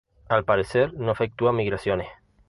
Al parecer, no efectúa migraciones.